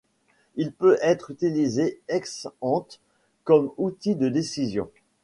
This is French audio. Il peut être utilisé ex-ante comme outil de décision.